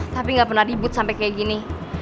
tapi gak pernah dibut sampai kayak gini